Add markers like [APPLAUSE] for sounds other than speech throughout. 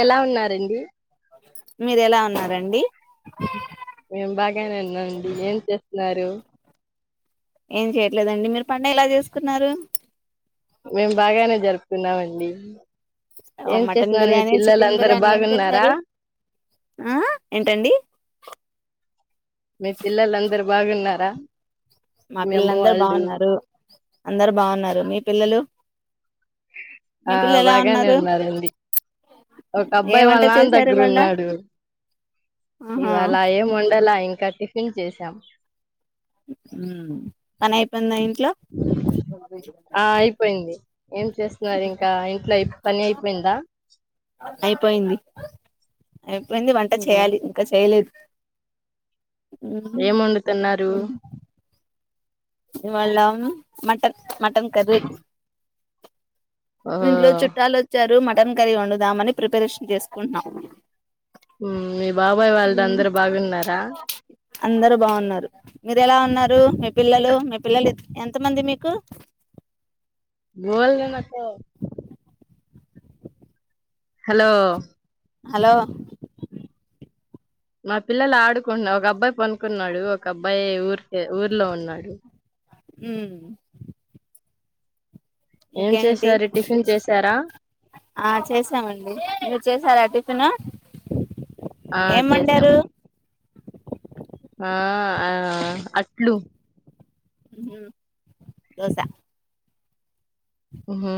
ఎలా ఉన్నారండి మీరేలా ఉన్నారండి మేం బాగానే ఉన్నాండి ఏం చేస్తున్నారు ఏం చేయట్లేదండి మీరు పండగ ఎలా చేసుకున్నారు మేం బాగానే జరుపుకున్నామండి ఏం మటన్ చేస్తున్నారు మీ బిర్యానీ పిల్లలు చికెన్ అందరు బిర్యానీ ఏం బాగున్నారా చేశారు ఆ ఏంటండి మీ పిల్లలు అందరు బాగున్నారా మా మీ అమ్మ పిల్లలందరు వాళ్ళు బాగున్నారు అందరు బాగున్నారు మీ పిల్లలు ఆ మీ పిల్లలు ఎలా బాగానే ఉన్నారు ఉన్నారండి ఒక ఏం అబ్బాయి వంట వాళ్ళ నాన్న చేశారు దగ్గర ఇవాళ ఉన్నాడు ఆహా ఇవాళ ఏం వండల ఇంకా టిఫిన్ చేసాం పనయిపోయింద ఇంట్లో ఆ అయిపోయింది ఏం చేస్తున్నారు ఇంకా ఇంట్లోయి పని అయిపోయిందా అయిపోయింది అయిపోయింది వంట ఉమ్. చేయాలి ఇంకా చేయలేదు ఏం వండుతున్నారు ఇవాళ మటన్ మటన్ కర్రి ఓహో ఇంట్లో చుట్టాలు వచ్చారు మటన్ కర్రీ వండుదామని ప్రిపరేషన్ చేసుకుంటున్నాం మీ బాబాయ్ వాళ్ళది అందరు బాగున్నారా అందరు బాగున్నారు మీరు ఎలా ఉన్నారు మీ పిల్లలు మీ పిల్లలు ఎంతమంది మీకు బోల్న్న త హలో హలో మా పిల్లలు ఆడుకుం ఒక అబ్బాయి పనుకున్నాడు ఒక అబ్బాయి ఊర్కే ఊర్లో ఉన్నాడు ఉ ఏం చేసారు టిఫిన్ చేసారా ఆ చేసామండి మీరు చేసారా టిఫిన్ ఆ ఏం చేసాం వండారు ఆ ఆ అట్లు హ్మ్ దోసా హా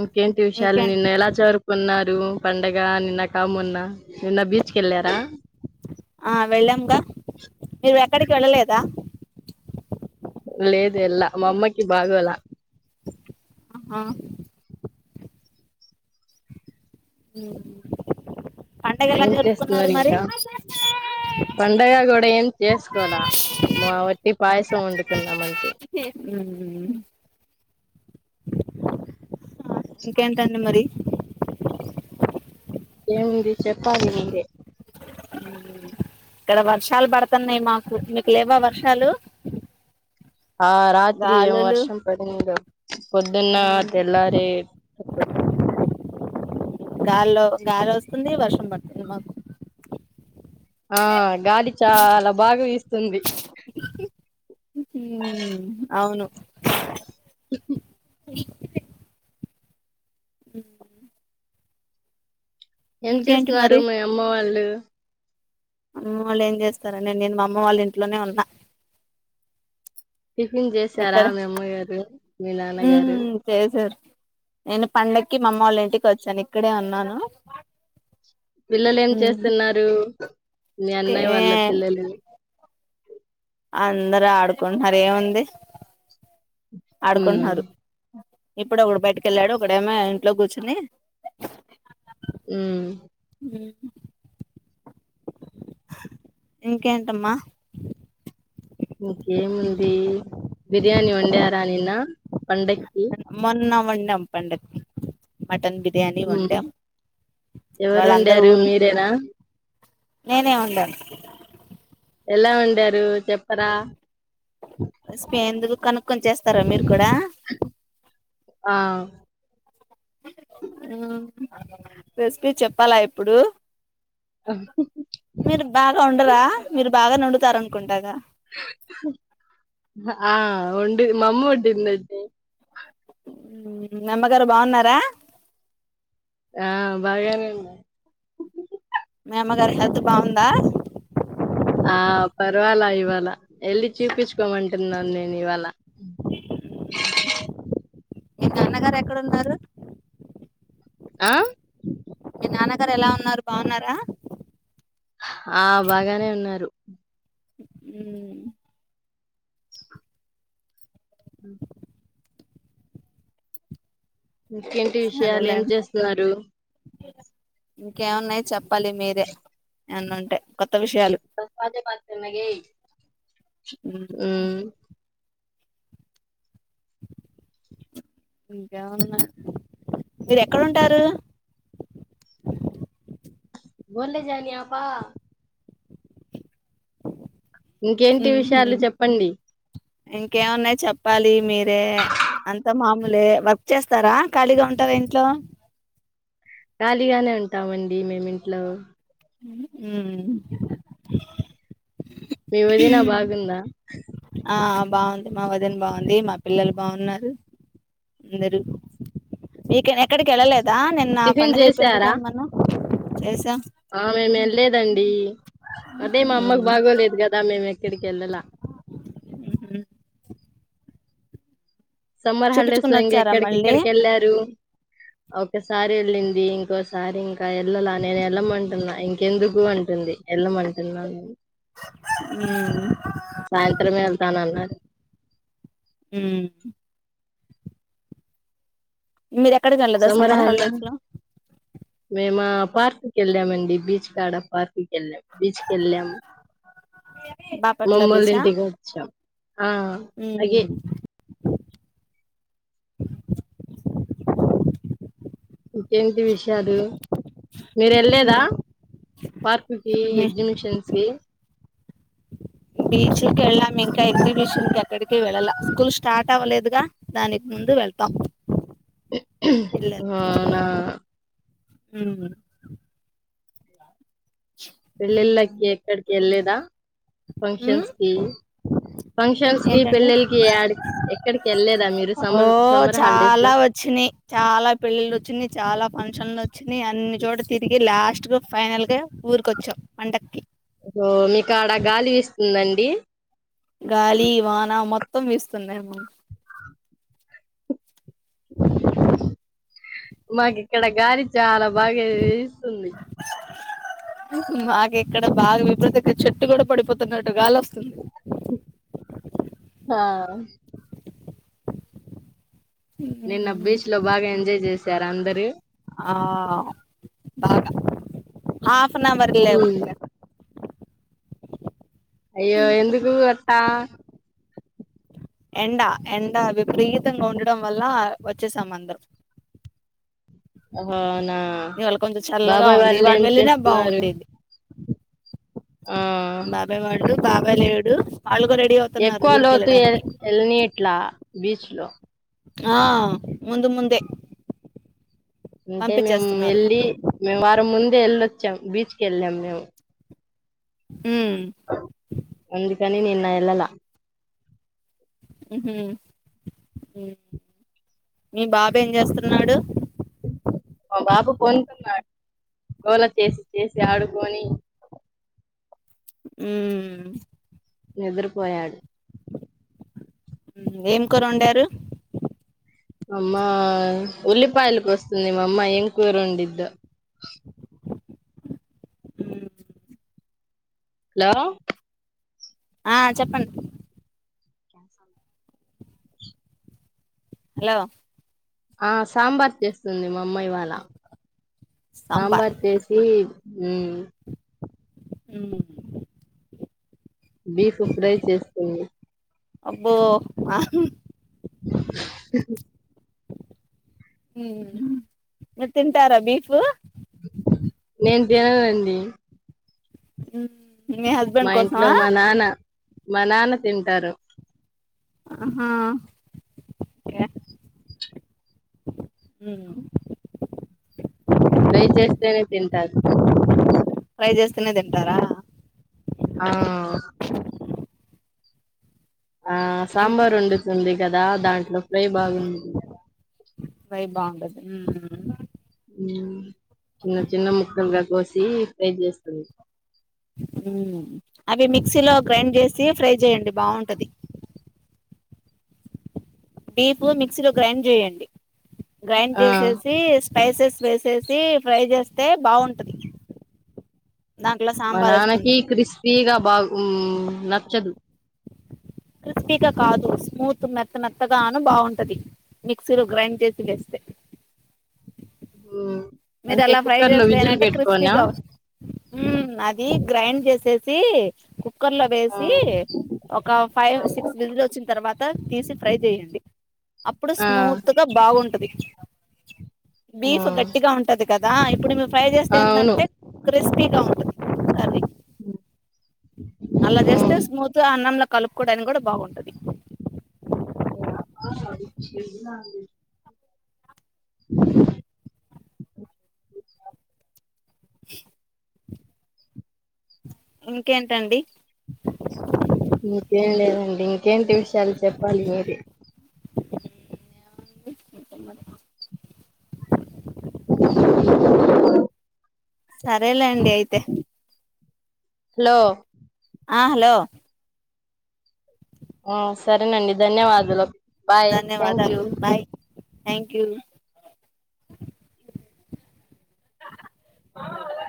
ఇంకేంటి విషయాలు నిన్న ఇంకేంటి ఎలా జరుపుకున్నారు పండగ నిన్న కా మొన్న నిన్న బీచ్ కి వెళ్ళారా ఆ వెళ్ళాంగా మీర్ ఇక్కడికి వెళ్ళలేదా లేదు యల్ల మా అమ్మకి బాగోలా ఆహా అ ఏం చేస్తున్నారు ఇంకా పండగ కూడా ఇడ ఏం చేసుకోల మా వట్టి పాయసం వండుకున్నామని హ్మ్మ్ ఇంకేంటండి మరి ఏముంది చెప్పాలి మీరే ఇక్కడ వర్షాలు పడుతున్నాయి మాకు మీకు లేవా వర్షాలు ఆ రాత్రిఎం గాలులు వర్షం పదిందో పొద్దున్న ఉమ్ తెల్లారేటపాటికి గాల్లో గాలోస్స్తుంది వర్షం పడుతుంది మాకు ఆ గాలి చాలా బాగా విస్తుంది ఉమ్ అవును [INAUDIBLE] నిక్లే ఉ ఏం చేస్తున్నారు మరి మీ అమ్మ వాళ్ళు అమ్మ వాళ్ళు ఏం చేస్తారండి నేను మా అమ్మ వాళ్ళ ఇంట్లోనే ఉన్నా టిఫిన్ చేసారా ఇక్కడ మీ అమ్మగారు మీ ఉమ్ నాన్నగారు చేసారు నేను పండక్కి మామ్మలింటికి వచ్చాను ఇక్కడే ఉన్నాను పిల్లలు ఏం ఉమ్ చేస్తున్నారు మీ అన్నయ ఏ వాళ్ళ పిల్లలు అందరుూ ఆడుకుంటున్నారు ఏముంది ఉమ్ ఆడుకుంటున్నారు ఇప్పుడే ఒకడు బయటేకెళ్లాడు ఒకడేమో ఇంట్లో కూర్చుని ఆ ఉహ్మ్ ఇంకేంటమ్మా ఇంకేముంది బిర్యానీ వండారా నిన్న పండక్కి వండం పండక్కి మటన్ బి ర్యానీ ఉమ్ వండం ఎవరు వాళ్ళందరూ వండారు ఉ మీరేనా నేనే వాండను ఎలా ఉండారు చెప్పరా ఎందుకు కనుక్కొని చేస్తారా మీరు కూడా ఆ ఆ రెసిపీ చెప్పాలా ఇప్పుడు మీరు బాగా ఉండరా మీరు బాగా నిండుతార అనుకుంటగా ఆ ఉండి మమ్మ ఒండింది మీ అమ్మగారు బాగున్నారా ఆ బాగానే మా అమ్మగారి హెల్త్ బాగుందా ఆ పర్వాలా ఇవాల ఎల్లి చూపించు ఇప్పమంటున్నాను నేను ఇవాళ ఈ నాన్నగారు ఎక్కడ ఉన్నారు ఆ మీ నాన్నగారు ఎలా ఉన్నారు బాగున్నారా ఆ బాగానే ఉన్నారు ఉ అ ఇంకేంటి విషయాలు ఏం సరేలేండి చేస్తున్నారు ఇంకేమున్నాయి చెప్పాలి మీరే ఏమఅన్న ఉంటే కొత్త విషయాలు ఉ ఇంకా ఉన్నాయ్ మీరు ఎక్కడుంటారు ఒన్లే జనీపా ఇంకేంటి విషయాలు చెప్పండి ఇంకేమున్నాయ్ చెప్పాలి మీరే అంత మామూలే వర్క్ చేస్తారా ఖాళీగా ఉంటారా ఇంట్లో ఖలిగానే ఉంటామండి మేమి ఇంట్లో ఉ మీవదినా బాగుందా ఆ బాగుంది మా వదిన్ బాగుంది మా పిల్లలు బాగున్నారు అందరు ఇక ఎక్కడికి వెళ్ళలేదు దా నిన్న టిఫిన్ పండుగ అయిపోయింది చేశారా? కమ్ మన్న చేసాం ఆ మేము వెళ్ళలేదండి అదే మా అమ్మకు ఉమ్ బాగోలేదు కదా మేము క్కడికి ఎల్లల ఉహు సమ్మర్ హాలిడేస్ చూపించుకుని లో ఇంగ వచ్చారా ఎక్కడికి మళ్ళీ ఎక్కడికి వెళ్ళారు ఒక్కసారి వెళ్ళింది ఇంకోసారి ఇంకా వెళ్ళల నేను వెళ్ళమంటున్నా ఇంకెందుకు అంటుంది ఎళ్ళమంటున్న సాయంత్రం వెళ్తాను అన్న ఉ మీరు ఎక్కడికి వెళ్ళదా సమ్మర సమ్మర్ హల్ హాలిడేస్ లో మేమా పార్క్ కి వెళ్ళామండి బీచ్ కాడ పార్క్ కి వెళ్ళాం బీచ్ కెళ్ళాం బాపట్ల మమ్మల్లు బీచా ఇంటిగ వచ్చాం ఆ అగే ఇంకేంటి విషయాలు మీరు వెళ్లేదా పార్క్ కి ఎగ్జిబిషన్స్ కి బీచ్కి వెళ్ళాము ఇంకా ఎగ్జిబిషన్ కి ఎక్కడికి వెళ్ళల స్కూల్ స్టార్ట్ అవ్వలేదుగా దానికి ముందు వెళ్తం అవునా అహు పెళ్ళిళ్ళకి ఎక్కడికి వెళ్ళలేదా ఫంక్షన్స్ కి? ఫంక్షన్స్ కి, ఏంటండి పెళ్లిళ్లకి యాడికి ఎక్కడికి వెళ్ళలేదా మీరు ఓ సమ్మర్ సమ్మర్ హాలిడేస్ చాలా లో? వచ్చినాయి చాలా పెళ్ళిలు వచ్చినయి చాలా ఫంక్షన్లు వచ్చినాయి అన్ని చోట తిరిగి లాస్ట్ ఫైనల్ గా ఊరికొచ్చాం పండక్కి గో మీకు ఆడ గాలి వీస్తుందండి? గాలి, వాన మొత్తం వీస్తున్నాయి మాకు మాకు ఇక్కడ గాలి చాలామ్ బాగా వీస్తుంది మాకు ఇక్కడ బాగా విపరీతంగా చెట్టు కూడా పడిపోతున్నట్టు గాలి వస్తుంది. అ నిన్న బీచ్ లో బాగా ఎంజాయ్ చేసారు అందరు? ఆ బాగా హాఫ్ అన్ అవర్ లేవ ఉమ్. అయ్యో ఎందుకు అట్టా ఎండ ఎండ విపరీతంగా ఉండడం వల్ల వచ్చేసామందరం అవునా కొంచెం చల్లగా బాబాయ్ ఉంది వాళ్ళు ఇవాళ ఏం వెళ్ళినా చేస్తున్నారు? బాగుండేది ఆ బాబాయ్ వాళ్ళు బాబాయి లేడు వాళ్ళు కూడా రెడీ అవుతున్నారు ఎక్కువ ఊరికి లోతు ఎ వెళ్ళడానికి ఏళ్ళనిట్లా బీచ్ లో? ఆ ముందు ముందే అంటే మేము పంపించేస్తున్నారు వెళ్ళి మేము వారం ముందే వెళ్ళొచ్చాం బీచ్కి వెళ్ళాం మేము. ఉమ్ అ అందుకనీ నిన్న వెళ్ళలా ఉహు మీ బాబ ఏం చేస్తున్నాడు? పొనుకున్నాడు గోల చేసి చేసి ఆడుకొని ఉ నిదురపోయాడు ఏం కూర వండారు? అమ్మా ఉల్లిపాయలు కోస్తుంది మామ్మ ఏం కూర వండిద్ద హలో ఆ చెప్పండి క్యాస హలో ఆ సాంబార్ చేస్తుంది మా అమ్మాయి వాళ్ళ సాంబార్ చేసి మ్మ్ అ బీఫ్ ఫ్రై చేస్తుంది. అబ్బో ఆహ్ ఏ హమ్ మీరు తింటారా బిఫ్? నేను తిననండి ఉ మా ఇంట్లో మా నాన్న మా నాన్న తింటారు. ఆహా య అ ఫ్రేయ్ చేస్తేనే తింటారు ఫ్రేయ్ చేస్తెనే తింటారా ఆ ఆ ఇంకే సాంబార్ వండుతుంది కదా దాంట్లో ఫ్రై బాగుంది మ్ మ్ చిన్న చిన్న ముక్కలుగా కోసి ఫ్రై చేస్తుంది అవి మిక్సీలో గ్రైండ్ చేసి ఫ్రై చేయండి బాగుంటది డీప్ మిక్సీలో గ్రైండ్ చేయండి గ్రైండ్ ఆ చేసేసి స్పైసెస్ వేసేసి ఫ్రై చేస్తే బాగుంటది దాంట్లో మా సాంబార్ వేసుకుని నాన్నకి తింటే క్రిస్పీగా బా మ్ నచ్చదు క్రిస్పీగా కాదు స్మూత్ మెత్త మెత్తగాను బాగుంటది మిక్సీలో గ్రైండ్ చేసి వేస్తే మ్ మీరు అంటే అలా ఫ్రై కుక్కర్ లో విజిల్ చేస్తేనంటే పెట్టుకోనా క్రిస్పీగా వ అది గ్రైండ్ చేసేద్ సి కుక్కర్ లో ఆ వేసి ఒక ఫైవ్ సిక్స్ విిజిల్ వచ్చిన తర్వాత తీసి ఫ్రై చేయండి అప్పుడు ఆ, స్మూత్ గా బాగుంటది ఆ, బీఫ్ గట్టిగా ఉంటది కదా ఇప్పుడు మీరు ఫ్రై చేస్తే అవును ఏందంటే క్రస్పిగ ఉంటది కర్రీ మ్ అలా చేస్తే స్మూత్గా అన్నంలో కలుపుకోవడానికి కూడా బాగుంటది అ చె ఇంకేంటండి ఇంకేం లేదండి ఇంకేంటి విషయాలు చెప్పాలి మీరే మట మంట సరేలేండి అయితే హలో ఆ హలో సరేనండి ధన్యవాదులు బాయ్ థ్యాంక్ యూ ధన్యవాదాలు బాయ్ థ్యాంక్ యూ ఆ అ